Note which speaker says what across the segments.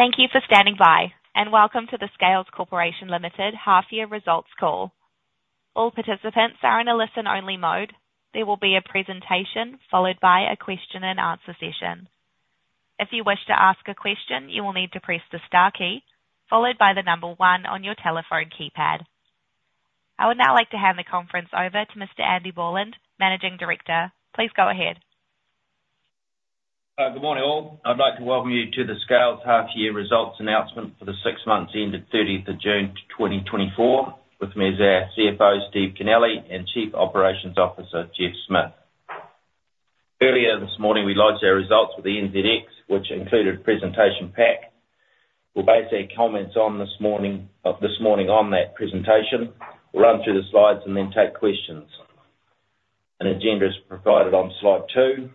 Speaker 1: Thank you for standing by, and welcome to the Scales Corporation Limited half-year results call. All participants are in a listen-only mode. There will be a presentation, followed by a question and answer session. If you wish to ask a question, you will need to press the star key, followed by the number one on your telephone keypad. I would now like to hand the conference over to Mr. Andy Borland, Managing Director. Please go ahead.
Speaker 2: Good morning, all. I'd like to welcome you to the Scales half-year results announcement for the six months ending thirtieth of June, twenty twenty-four. With me is our CFO, Steve Kennelly, and Chief Operations Officer, Geoff Smith. Earlier this morning, we lodged our results with the NZX, which included a presentation pack. We'll base our comments on this morning on that presentation. We'll run through the slides and then take questions. An agenda is provided on Slide two.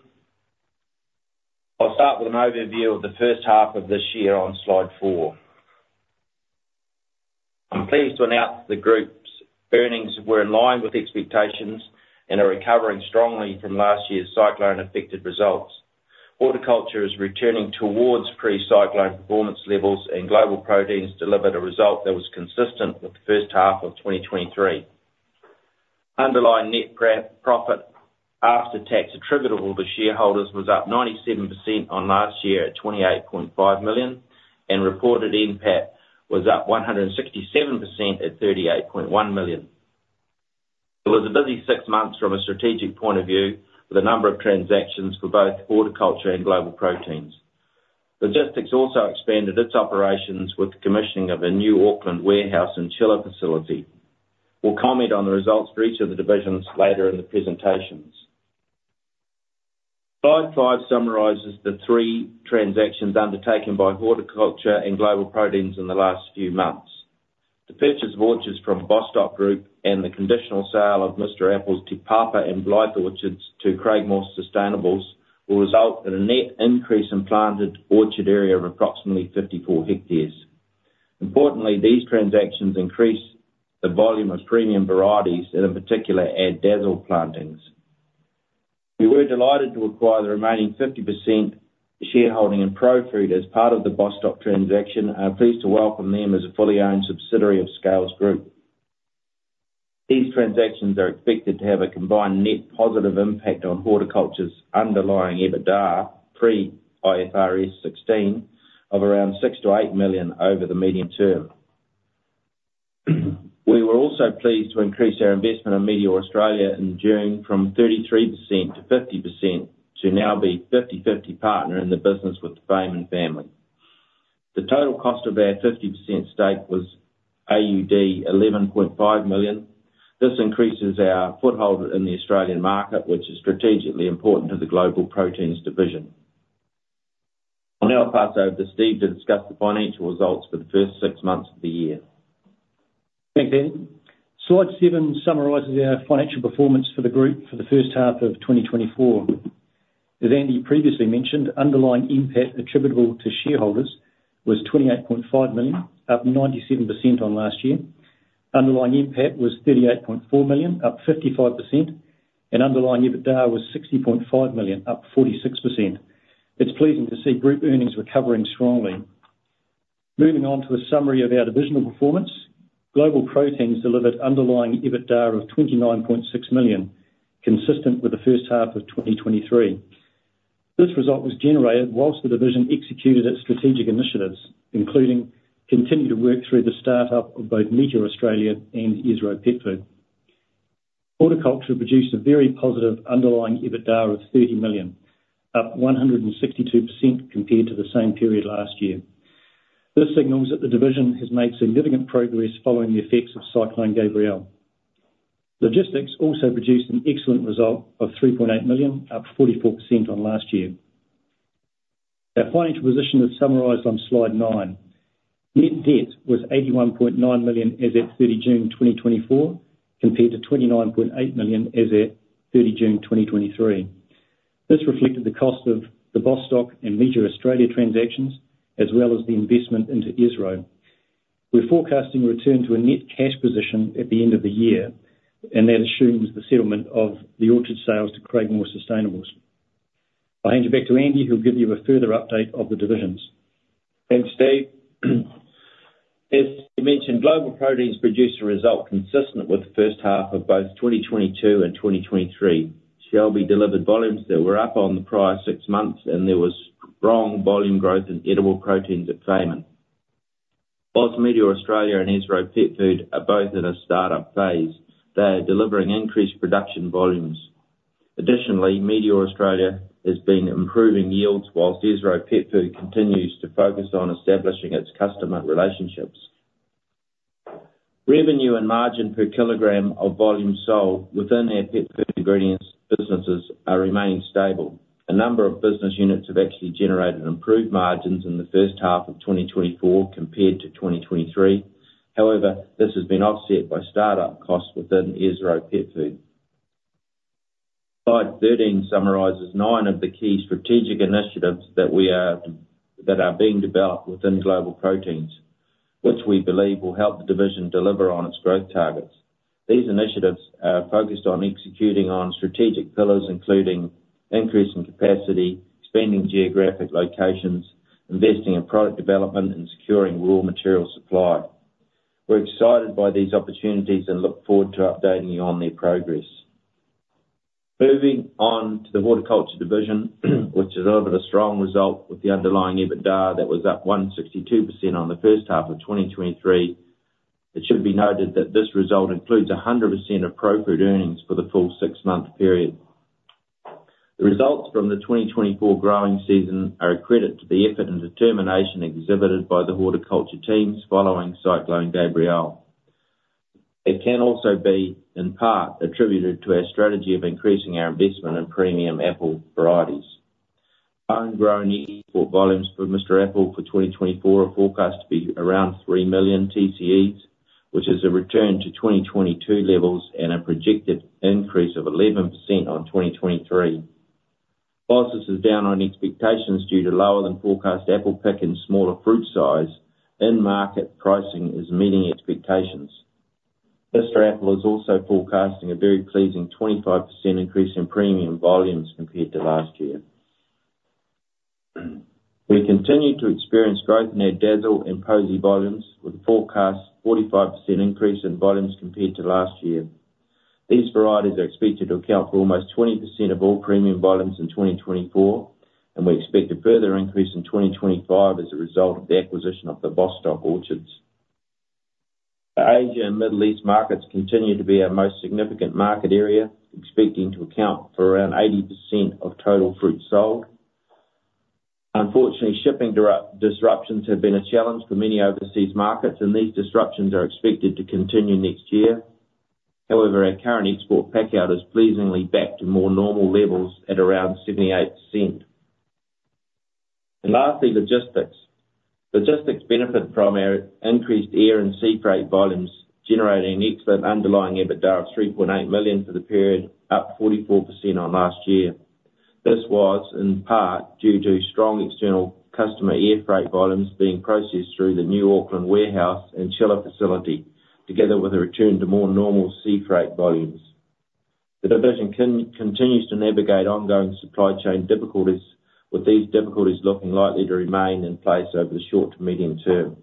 Speaker 2: I'll start with an overview of the first half of this year on Slide four. I'm pleased to announce the group's earnings were in line with expectations and are recovering strongly from last year's cyclone-affected results. Horticulture is returning towards pre-cyclone performance levels, and Global Proteins delivered a result that was consistent with the first half of twenty twenty-three. Underlying net profit after tax attributable to shareholders was up 97% on last year at 28.5 million, and reported NPAT was up 167% at 38.1 million. It was a busy six months from a strategic point of view, with a number of transactions for both Horticulture and Global Proteins. Logistics also expanded its operations with the commissioning of a new Auckland warehouse and chiller facility. We'll comment on the results for each of the divisions later in the presentations. Slide five summarizes the three transactions undertaken by Horticulture and Global Proteins in the last few months. The purchase of orchards from Bostock Group and the conditional sale of Mr Apple's Te Papa and Blyth Orchards to Craigmore Sustainables will result in a net increase in planted orchard area of approximately 54 hectares. Importantly, these transactions increase the volume of premium varieties and, in particular, add Dazzle plantings. We were delighted to acquire the remaining 50% shareholding in Profruit as part of the Bostock transaction, and are pleased to welcome them as a fully owned subsidiary of Scales Group. These transactions are expected to have a combined net positive impact on Horticulture's underlying EBITDA, pre-IFRS 16, of around six-to-eight million over the medium term. We were also pleased to increase our investment in Meateor Australia in June from 33% to 50%, to now be fifty-fifty partner in the business with the Fayman family. The total cost of our 50% stake was AUD 11.5 million. This increases our foothold in the Australian market, which is strategically important to the Global Proteins division. I'll now pass over to Steve to discuss the financial results for the first six months of the year.
Speaker 3: Thanks, Andy. Slide 7 summarizes our financial performance for the group for the first half of 2024. As Andy previously mentioned, underlying NPAT attributable to shareholders was 28.5 million, up 97% on last year. Underlying NPAT was 38.4 million, up 55%, and underlying EBITDA was 60.5 million, up 46%. It's pleasing to see group earnings recovering strongly. Moving on to a summary of our divisional performance, Global Proteins delivered underlying EBITDA of 29.6 million, consistent with the first half of 2023. This result was generated while the division executed its strategic initiatives, including continuing to work through the start-up of both Meateor Australia and Esro Petfood. Horticulture produced a very positive underlying EBITDA of 30 million, up 162% compared to the same period last year. This signals that the division has made significant progress following the effects of Cyclone Gabrielle. Logistics also produced an excellent result of 3.8 million, up 44% on last year. Our financial position is summarized on Slide 9. Net debt was 81.9 million as at 30 June 2024, compared to 29.8 million as at 30 June 2023. This reflected the cost of the Bostock and Meateor Australia transactions, as well as the investment into Esro. We're forecasting a return to a net cash position at the end of the year, and that assumes the settlement of the orchard sales to Craigmore Sustainables. I'll hand you back to Andy, who'll give you a further update of the divisions.
Speaker 2: Thanks, Steve. As you mentioned, Global Proteins produced a result consistent with the first half of both 2022 and 2023. Shelby delivered volumes that were up on the prior six months, and there was strong volume growth in edible proteins at Fayman. While Meateor Australia and Esro Pet Food are both in a start-up phase, they are delivering increased production volumes. Additionally, Meateor Australia has been improving yields, while Esro Pet Food continues to focus on establishing its customer relationships. Revenue and margin per kilogram of volume sold within our pet food ingredients businesses are remaining stable. A number of business units have actually generated improved margins in the first half of 2024 compared to 2023. However, this has been offset by start-up costs within Esro Pet Food. Slide 13 summarizes nine of the key strategic initiatives that are being developed within Global Proteins, which we believe will help the division deliver on its growth targets. These initiatives are focused on executing on strategic pillars, including increase in capacity, expanding geographic locations, investing in product development, and securing raw material supply. We're excited by these opportunities and look forward to updating you on their progress. Moving on to the Horticulture division, which delivered a strong result with the underlying EBITDA that was up 162% on the first half of 2023. It should be noted that this result includes 100% of Profruit earnings for the full six-month period. The results from the 2024 growing season are a credit to the effort and determination exhibited by the horticulture teams following Cyclone Gabrielle. It can also be, in part, attributed to our strategy of increasing our investment in premium apple varieties. Own-grown export volumes for Mr Apple for 2024 are forecast to be around three million TCEs, which is a return to 2022 levels and a projected increase of 11% on 2023. While this is down on expectations due to lower-than-forecast apple pick and smaller fruit size, in-market pricing is meeting expectations. Mr Apple is also forecasting a very pleasing 25% increase in premium volumes compared to last year. We continue to experience growth in our Dazzle and Posy volumes, with a forecast 45% increase in volumes compared to last year. These varieties are expected to account for almost 20% of all premium volumes in 2024, and we expect a further increase in 2025 as a result of the acquisition of the Bostock orchards. The Asia and Middle East markets continue to be our most significant market area, expecting to account for around 80% of total fruit sold. Unfortunately, shipping disruptions have been a challenge for many overseas markets, and these disruptions are expected to continue next year. However, our current export packout is pleasingly back to more normal levels at around 78%. Lastly, logistics. Logistics benefited from our increased air and sea freight volumes, generating an excellent underlying EBITDA of 3.8 million for the period, up 44% on last year. This was, in part, due to strong external customer air freight volumes being processed through the new Auckland warehouse and chiller facility, together with a return to more normal sea freight volumes. The division continues to navigate ongoing supply chain difficulties, with these difficulties looking likely to remain in place over the short to medium term.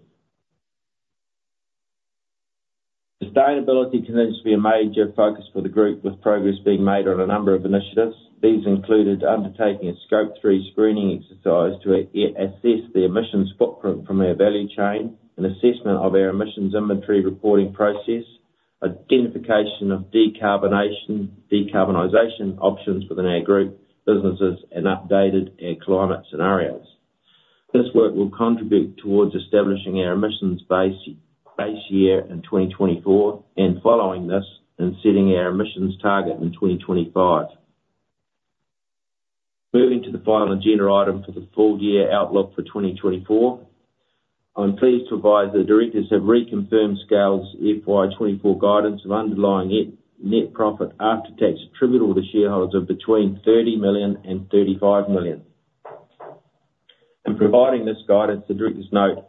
Speaker 2: Sustainability continues to be a major focus for the group, with progress being made on a number of initiatives. These included undertaking a Scope 3 screening exercise to assess the emissions footprint from our value chain, an assessment of our emissions inventory reporting process, identification of decarbonization options within our group businesses, and updated our climate scenarios. This work will contribute towards establishing our emissions base year in 2024, and following this, and setting our emissions target in 2025. Moving to the final agenda item for the full year outlook for 2024. I'm pleased to advise the directors have reconfirmed Scales' FY 2024 guidance of underlying net profit after tax attributable to shareholders of between 30 million and 35 million. In providing this guidance, the directors note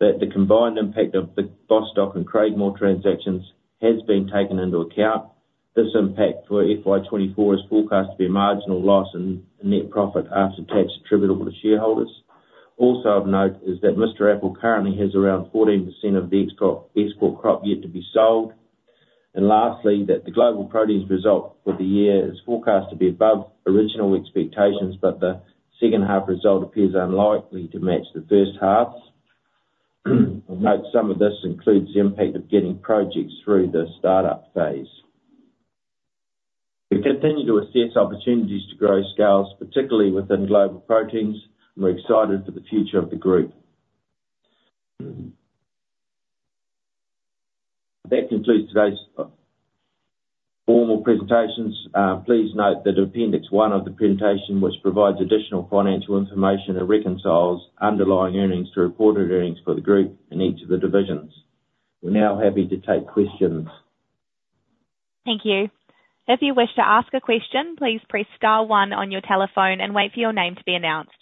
Speaker 2: that the combined impact of the Bostock and Craigmore transactions has been taken into account. This impact for FY 2024 is forecast to be a marginal loss in net profit after tax attributable to shareholders. Also of note, is that Mr Apple currently has around 14% of the export crop yet to be sold. And lastly, that the Global Proteins result for the year is forecast to be above original expectations, but the second half result appears unlikely to match the first half. I note some of this includes the impact of getting projects through the startup phase. We continue to assess opportunities to grow Scales, particularly within Global Proteins, and we're excited for the future of the group. That concludes today's formal presentations. Please note that Appendix One of the presentation, which provides additional financial information and reconciles underlying earnings to reported earnings for the group in each of the divisions. We're now happy to take questions.
Speaker 1: Thank you. If you wish to ask a question, please press star one on your telephone and wait for your name to be announced.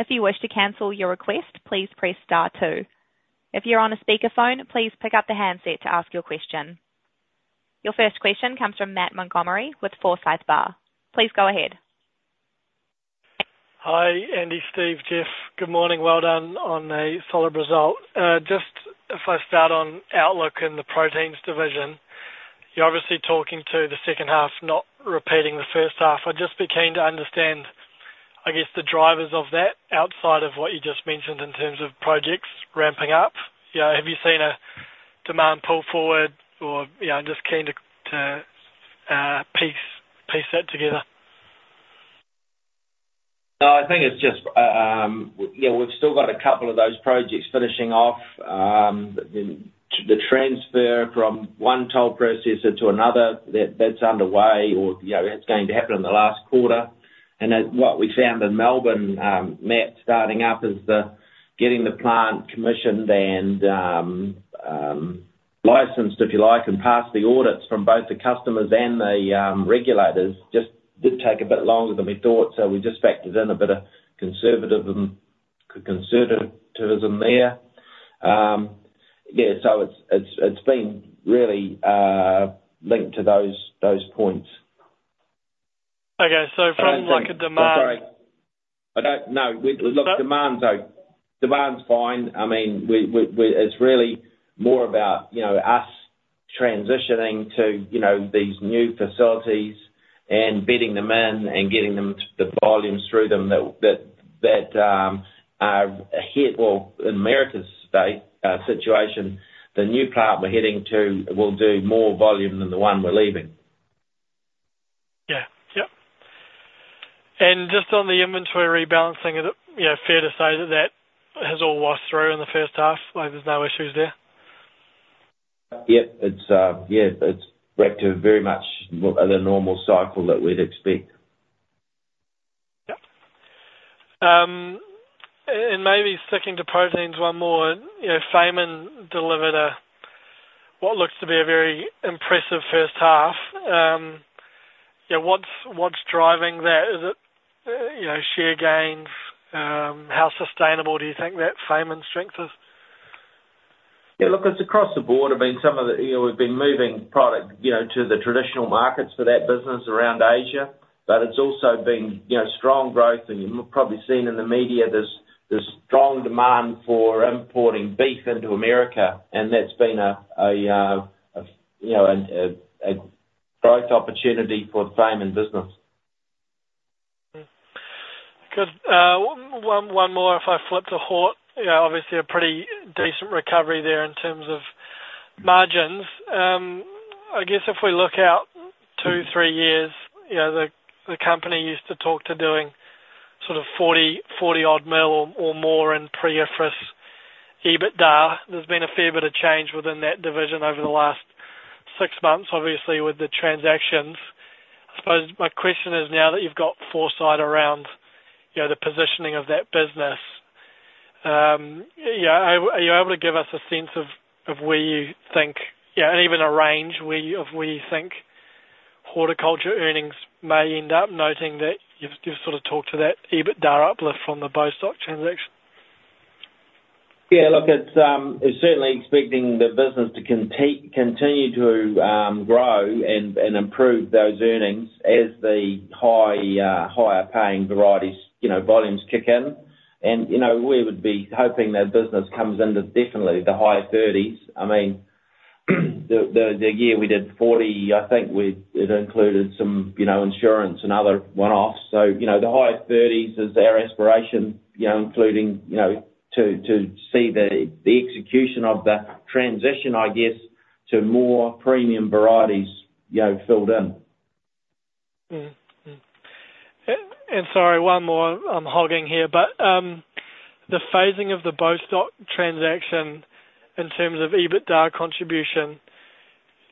Speaker 1: If you wish to cancel your request, please press star two. If you're on a speakerphone, please pick up the handset to ask your question. Your first question comes from Matt Montgomerie with Forsyth Barr. Please go ahead.
Speaker 4: Hi, Andy, Steve, Geoff. Good morning. Well done on a solid result. Just if I start on outlook in the Proteins division, you're obviously talking to the second half, not repeating the first half. I'd just be keen to understand, I guess, the drivers of that outside of what you just mentioned in terms of projects ramping up. You know, have you seen a demand pull forward or... Yeah, I'm just keen to piece that together.
Speaker 2: No, I think it's just, yeah, we've still got a couple of those projects finishing off. The transfer from one toll processor to another, that's underway or, you know, that's going to happen in the last quarter. And then, what we found in Melbourne, Matt, starting up, is the getting the plant commissioned and licensed, if you like, and pass the audits from both the customers and the regulators, just did take a bit longer than we thought. So we just factored in a bit of conservative and conservatism there. Yeah, so it's been really linked to those points.
Speaker 4: Okay. So from, like, a demand-
Speaker 2: I'm sorry. No, look, demand's fine. I mean, it's really more about, you know, us transitioning to, you know, these new facilities and bedding them in, and getting the volumes through them that are ahead or in Mr Apple's state, situation, the new plant we're heading to will do more volume than the one we're leaving.
Speaker 4: Yeah. Yep. And just on the inventory rebalancing, is it, you know, fair to say that that has all washed through in the first half, like there's no issues there?
Speaker 2: Yep. It's, yeah, it's back to very much the normal cycle that we'd expect.
Speaker 4: Yep. And maybe sticking to proteins one more, you know, Fayman delivered what looks to be a very impressive first half. Yeah, what's driving that? Is it, you know, share gains? How sustainable do you think that Fayman strength is?
Speaker 2: Yeah, look, it's across the board. I mean, some of the... You know, we've been moving product, you know, to the traditional markets for that business around Asia. But it's also been, you know, strong growth, and you've probably seen in the media there's strong demand for importing beef into America, and that's been a, you know, and a growth opportunity for the Fayman business.
Speaker 4: Good. One, one more, if I flip to Hort. You know, obviously a pretty decent recovery there in terms of margins. I guess if we look out two, three years, you know, the, the company used to talk to doing sort of 40, 40 odd mil or, or more in pre-IFRS EBITDA. There's been a fair bit of change within that division over the last six months, obviously with the transactions. I suppose my question is, now that you've got foresight around, you know, the positioning of that business, yeah, are, are you able to give us a sense of, of where you think... Yeah, and even a range where you, of where you think Horticulture earnings may end up, noting that you've, you've sort of talked to that EBITDA uplift from the Bostock transaction?
Speaker 2: Yeah, look, it's certainly expecting the business to continue to grow and improve those earnings as the higher paying varieties volumes kick in. And, you know, we would be hoping that business comes into definitely the high 30s. I mean, the year we did 40, I think it included some, you know, insurance and other one-offs. So, you know, the high 30s is our aspiration, you know, including to see the execution of the transition, I guess, to more premium varieties, you know, filled in.
Speaker 4: And sorry, one more. I'm hogging here, but the phasing of the Bostock transaction in terms of EBITDA contribution,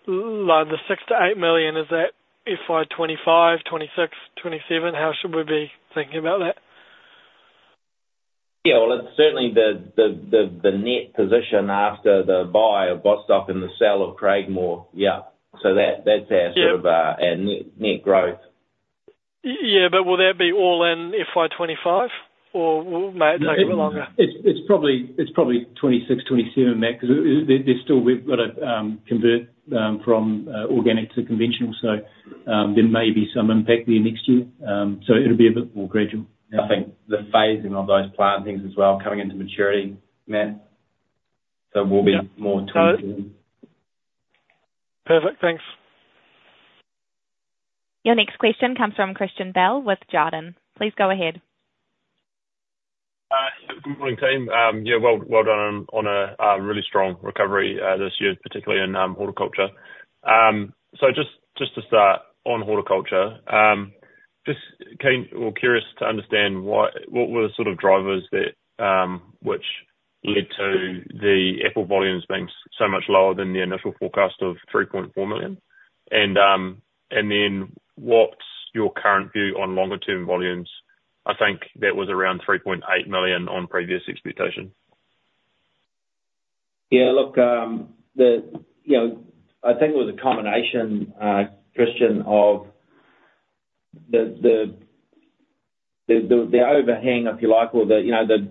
Speaker 4: like, the 6-8 million, is that FY 2025, 2026, 2027? How should we be thinking about that?
Speaker 2: Yeah, well, it's certainly the net position after the buy of Bostock and the sale of Craigmore. Yeah. So that, that's our-
Speaker 4: Yeah...
Speaker 2: sort of, our net, net growth.
Speaker 4: Yeah, but will that be all in FY 2025, or may it take a bit longer?
Speaker 3: It's probably 2026, 2027, Matt, 'cause there's still... We've got to convert from organic to conventional. So there may be some impact there next year, so it'll be a bit more gradual.
Speaker 2: I think the phasing of those plant things as well, coming into maturity, Matt, so we'll be more tuned in.
Speaker 4: Perfect, thanks.
Speaker 1: Your next question comes from Christian Bell with Jarden. Please go ahead.
Speaker 5: Good morning, team. Yeah, well, well done on a really strong recovery this year, particularly in Horticulture. So just to start, on Horticulture, just curious to understand why. What were the sort of drivers that which led to the apple volumes being so much lower than the initial forecast of 3.4 million? And then, what's your current view on longer-term volumes? I think that was around 3.8 million on previous expectation.
Speaker 2: Yeah, look, you know, I think it was a combination, Christian, of the overhang, if you like, or the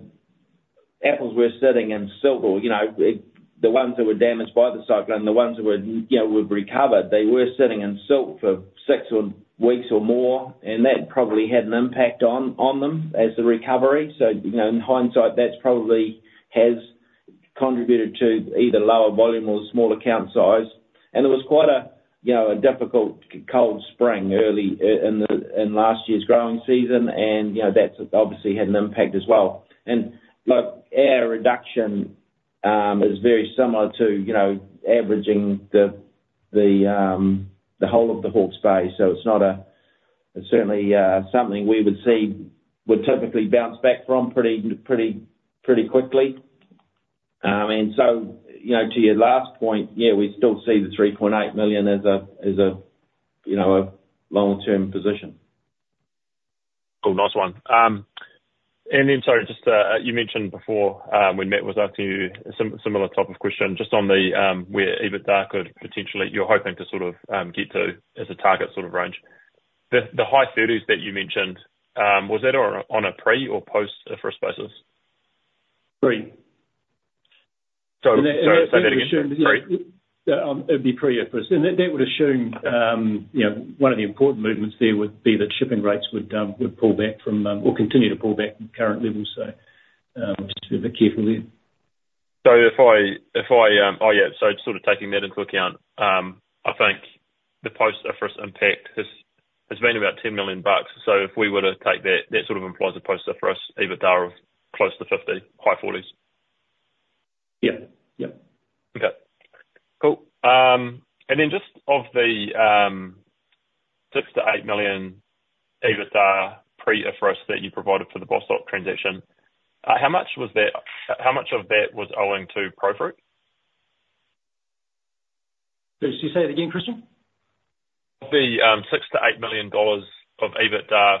Speaker 2: apples were sitting in silt or, you know, the ones that were damaged by the cyclone, the ones that would recover. They were sitting in silt for six weeks or more, and that probably had an impact on them as the recovery. So, you know, in hindsight, that's probably has contributed to either lower volume or smaller count size. And it was quite a, you know, a difficult, cold spring early in last year's growing season, and, you know, that's obviously had an impact as well. And, look, our reduction is very similar to, you know, averaging the whole of the Hort space. So it's not. It's certainly something we would see, would typically bounce back from pretty, pretty, pretty quickly. And so, you know, to your last point, yeah, we still see the 3.8 million as a, as a, you know, a long-term position....
Speaker 5: Cool, nice one. And then, sorry, just, you mentioned before, when Matt was asking you a similar type of question, just on the where EBITDA could potentially you're hoping to sort of get to, as a target sort of range. The high 30s that you mentioned, was that on a pre or post IFRS basis?
Speaker 3: Pre.
Speaker 5: Sorry, say that again. Pre?
Speaker 3: Yeah, it'd be pre-IFRS, and that would assume, you know, one of the important movements there would be that shipping rates would pull back from, or continue to pull back from current levels, so just be a bit careful there.
Speaker 5: So if I... Oh, yeah, so sort of taking that into account, I think the post-IFRS impact has been about 10 million bucks. So if we were to take that, that sort of implies a post-IFRS EBITDA of close to 50, high 40s.
Speaker 3: Yeah. Yep.
Speaker 5: Okay, cool. And then just of the 6-8 million EBITDA pre-IFRS that you provided for the Bostock transaction, how much of that was owing to Profruit?
Speaker 3: Can you just say that again, Christian?
Speaker 5: The 6-8 million dollars of EBITDA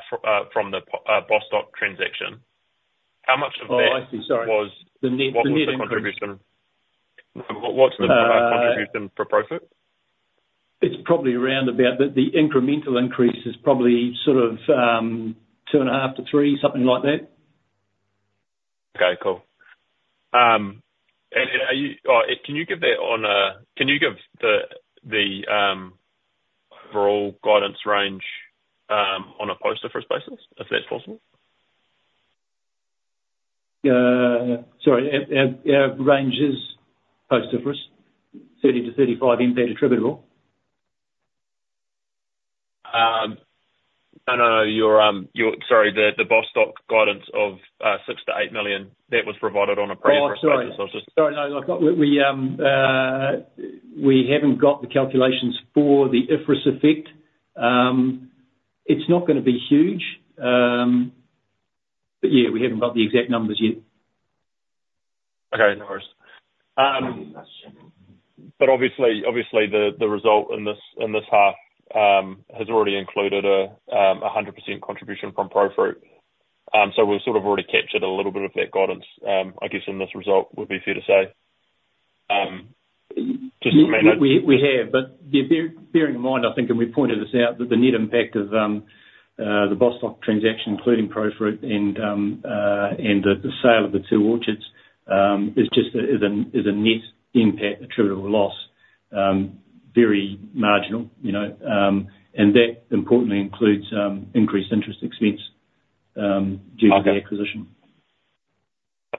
Speaker 5: from the Bostock transaction, how much of that-
Speaker 3: Oh, I see. Sorry.
Speaker 5: What was the contribution?
Speaker 3: The net increase.
Speaker 5: What was the contribution for Profruit?
Speaker 3: It's probably around about the incremental increase is probably sort of 2.5 to 3, something like that.
Speaker 5: Okay, cool. And are you... Can you give that on a-- can you give the overall guidance range on a post-IFRS basis, if that's possible?
Speaker 3: Our range is post-IFRS 30-35m NPAT attributable.
Speaker 5: No, no, no. Sorry, the Bostock guidance of 6 million to 8 million, that was provided on a pre-IFRS basis.
Speaker 3: Oh, sorry. Sorry, no, look, we haven't got the calculations for the IFRS effect. It's not gonna be huge. But yeah, we haven't got the exact numbers yet.
Speaker 5: Okay, no worries. But obviously the result in this half has already included a 100% contribution from Profruit. So we've sort of already captured a little bit of that guidance, I guess, in this result, would be fair to say, just to maintain-
Speaker 3: We have, but yeah, bearing in mind, I think, and we pointed this out, that the net impact of the Bostock transaction, including Profruit and the sale of the two orchards, is just a net impact attributable loss, very marginal, you know. And that importantly includes increased interest expense.
Speaker 5: Okay...
Speaker 3: due to the acquisition.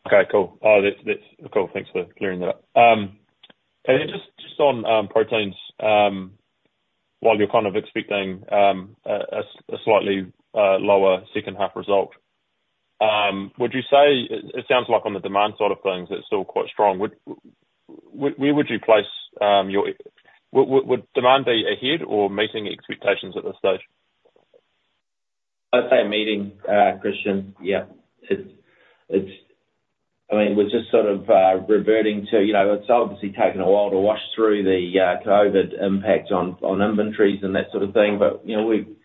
Speaker 5: Okay, cool. Oh, that's, that's cool. Thanks for clearing that up. And then just on proteins, while you're kind of expecting a slightly lower second half result, would you say... It sounds like on the demand side of things, it's still quite strong. Where would you place your -- would demand be ahead or meeting expectations at this stage?
Speaker 2: I'd say meeting, Christian. Yeah. It's, I mean, we're just sort of reverting to, you know, it's obviously taken a while to wash through the COVID impact on inventories and that sort of thing. But, you know, we've...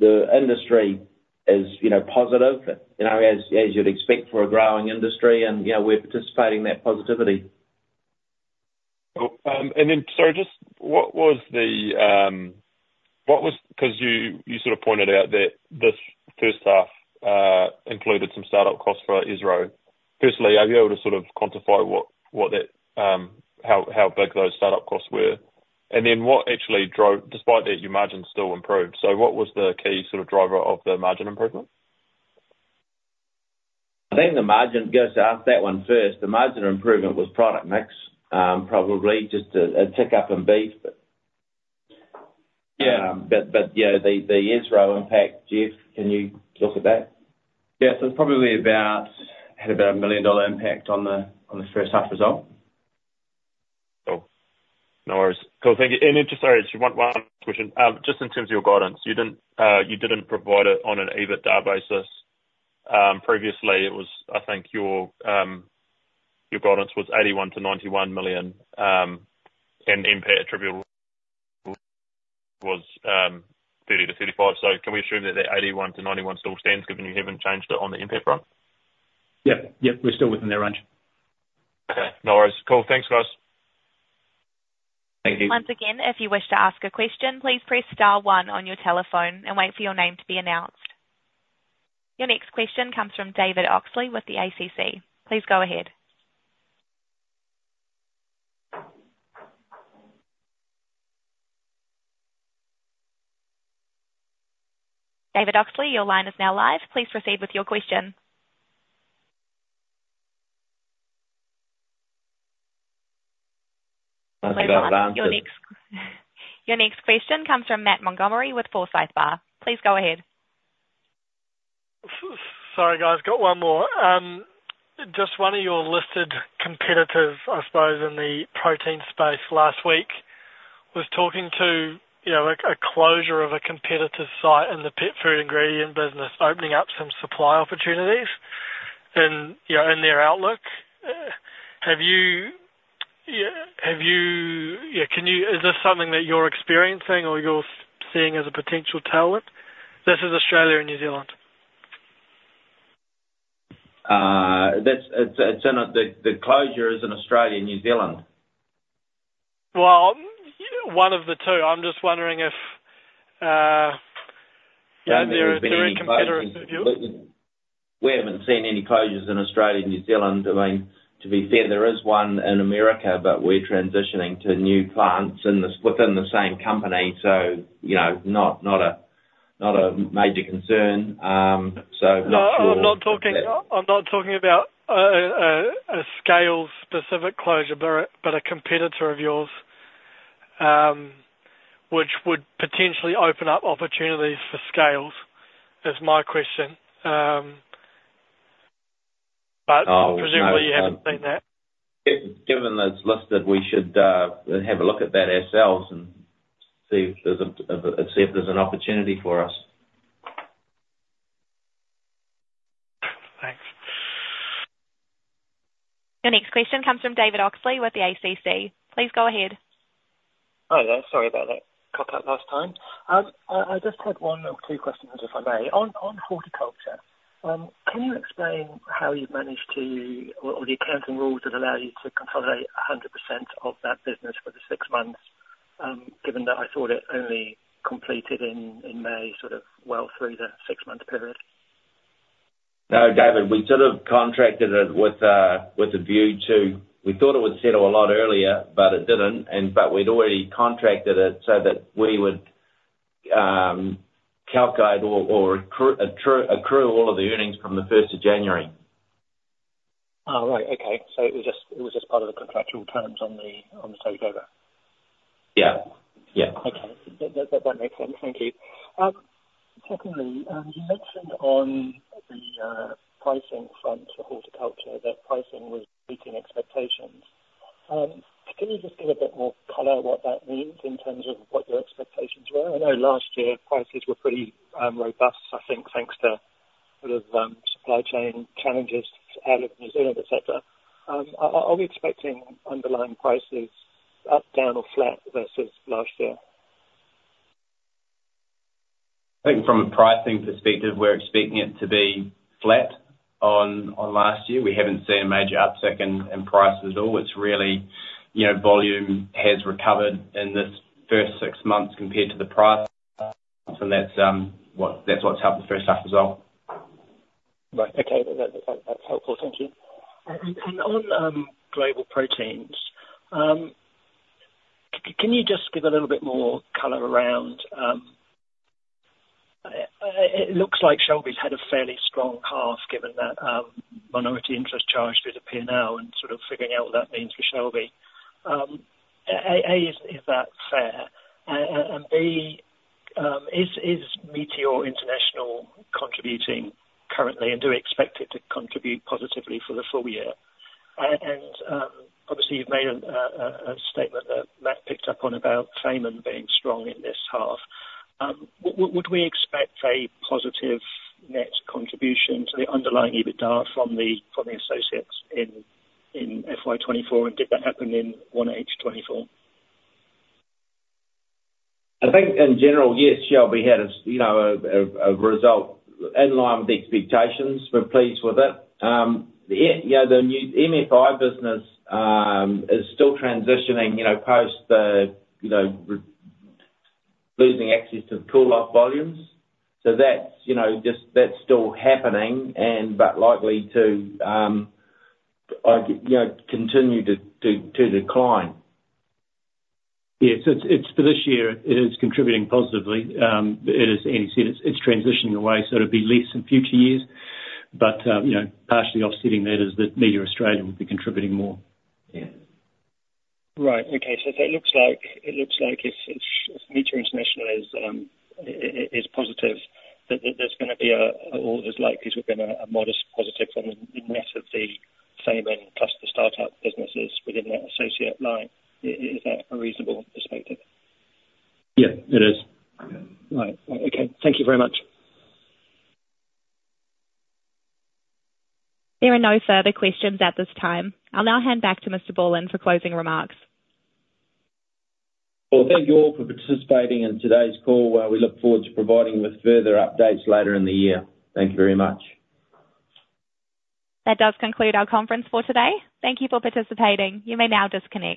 Speaker 2: The industry is, you know, positive, you know, as you'd expect for a growing industry, and, you know, we're participating in that positivity.
Speaker 5: Cool. And then, sorry, just what was... 'Cause you sort of pointed out that this first half included some startup costs for Esro. Firstly, are you able to sort of quantify what that, how big those startup costs were? And then, what actually drove... Despite that, your margins still improved. So what was the key sort of driver of the margin improvement?
Speaker 2: I think the margin, I guess to answer that one first, the margin improvement was product mix, probably just a tick up in beef, but- Yeah. But yeah, the IFRS impact, Geoff, can you talk to that?
Speaker 6: Yeah, so it's probably about a 1 dollar millon impact on the first half result.
Speaker 5: Cool. No worries. Cool. Thank you. And then just, sorry, just one question. Just in terms of your guidance, you didn't, you didn't provide it on an EBITDA basis. Previously, it was, I think, your guidance was 81-91 million, and NPAT attributable was 30-35. So can we assume that the 81-91 million still stands, given you haven't changed it on the NPAT front?
Speaker 3: Yep. Yep, we're still within that range.
Speaker 5: Okay, no worries. Cool. Thanks, guys.
Speaker 2: Thank you.
Speaker 1: Once again, if you wish to ask a question, please press star one on your telephone and wait for your name to be announced. Your next question comes from David Oxley with the ACC. Please go ahead. David Oxley, your line is now live. Please proceed with your question.
Speaker 2: Sounds like I've answered.
Speaker 1: Your next question comes from Matt Montgomerie with Forsyth Barr. Please go ahead.
Speaker 4: Sorry, guys, got one more. Just one of your listed competitors, I suppose, in the protein space last week, was talking to, you know, a closure of a competitor's site in the pet food ingredient business, opening up some supply opportunities in, you know, in their outlook. Have you, yeah, can you, is this something that you're experiencing or you're seeing as a potential tailwind? This is Australia and New Zealand.
Speaker 2: The closure is in Australia and New Zealand.
Speaker 4: One of the two. I'm just wondering if, you know, there are any competitors of yours?
Speaker 2: We haven't seen any closures in Australia and New Zealand. I mean, to be fair, there is one in America, but we're transitioning to new plants in the States within the same company. So, you know, not a major concern.
Speaker 4: No, I'm not talking about a Scales-specific closure, but a competitor of yours, which would potentially open up opportunities for Scales, is my question. But presumably you haven't seen that.
Speaker 2: Given that it's listed, we should have a look at that ourselves and see if there's an opportunity for us.
Speaker 4: Thanks.
Speaker 1: Your next question comes from David Oxley with the ACC. Please go ahead.
Speaker 7: Hi there. Sorry about that. Cut out last time. I just had one or two questions, if I may. On horticulture, can you explain how you've managed to... Or the accounting rules that allow you to consolidate 100% of that business for the six months, given that I thought it only completed in May, sort of well through the six-month period?
Speaker 2: No, David, we sort of contracted it with a view to... We thought it would settle a lot earlier, but it didn't, but we'd already contracted it so that we would catch up or accrue all of the earnings from the first of January.
Speaker 7: Oh, right. Okay. So it was just, it was just part of the contractual terms on the, on the takeover?
Speaker 2: Yeah. Yeah.
Speaker 7: Okay. That makes sense. Thank you. Secondly, you mentioned on the pricing front for horticulture, that pricing was beating expectations. Can you just give a bit more color on what that means in terms of what your expectations were? I know last year prices were pretty robust, I think, thanks to sort of supply chain challenges out of New Zealand, et cetera. Are we expecting underlying prices up, down, or flat versus last year?
Speaker 2: I think from a pricing perspective, we're expecting it to be flat on last year. We haven't seen a major uptick in prices at all. It's really, you know, volume has recovered in this first six months compared to the price, and that's what's helped the first half as well.
Speaker 7: Right. Okay. That's helpful. Thank you. And on global proteins, can you just give a little bit more color around it looks like Shelby's had a fairly strong half, given that minority interest charge did appear now, and sort of figuring out what that means for Shelby. A, is that fair? And B, is Meateor International contributing currently, and do we expect it to contribute positively for the full year? And obviously, you've made a statement that Matt picked up on about Fayman being strong in this half. Would we expect a positive net contribution to the underlying EBITDA from the associates in FY 2024, and did that happen in 1H 2024?
Speaker 2: I think in general, yes, Shelby had, you know, a result in line with the expectations. We're pleased with it. Yeah, the new MFI business is still transitioning, you know, post the, you know, losing access to the pool of volumes. So that's, you know, just that's still happening and but likely to, you know, continue to decline.
Speaker 3: Yes, it's for this year, it is contributing positively. It is, as you said, it's transitioning away, so it'll be less in future years. But you know, partially offsetting that is that Meateor Australia will be contributing more.
Speaker 2: Yeah.
Speaker 7: Right. Okay. So it looks like if Meateor International is positive, that there's gonna be a or there's likely to have been a modest positive from the rest of the same and plus the startup businesses within that associate line. Is that a reasonable perspective?
Speaker 3: Yeah, it is.
Speaker 7: Right. Okay. Thank you very much.
Speaker 1: There are no further questions at this time. I'll now hand back to Mr. Borland for closing remarks.
Speaker 2: Thank you all for participating in today's call. We look forward to providing you with further updates later in the year. Thank you very much.
Speaker 1: That does conclude our conference for today. Thank you for participating. You may now disconnect.